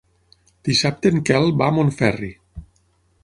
Dissabte en Quel va a Montferri.